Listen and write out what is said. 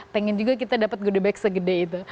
pengen juga kita dapat goodie bag segede itu